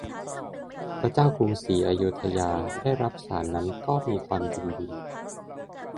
พระเจ้ากรุงอโยธยาได้รับสาสน์นั้นก็มีความยินดี